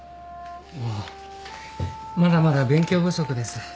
あぁまだまだ勉強不足です。